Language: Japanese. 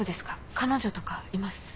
彼女とかいます？